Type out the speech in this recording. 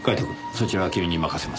そちらは君に任せます。